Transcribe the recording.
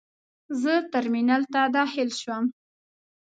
زه ترمینل ته داخل شوم.